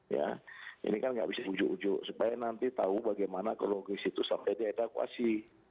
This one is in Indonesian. ya ini kan nggak bisa ujuk ujuk supaya nanti tahu bagaimana kronologis itu sampai dievakuasi